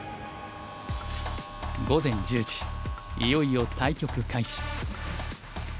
午前１０時いよいよ対局開始。